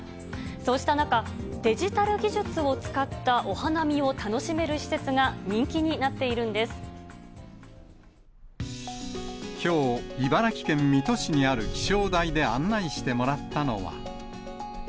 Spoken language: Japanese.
そうした中、デジタル技術を使ったお花見を楽しめる施設が人気になっているんきょう、茨城県水戸市にある気象台で案内してもらったのは。